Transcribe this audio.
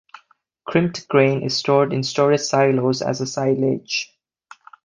Crimped grain is stored in storage silos as a silage.